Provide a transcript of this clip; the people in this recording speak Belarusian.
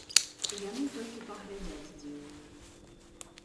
Яны толькі паглядзяць здзіўлена.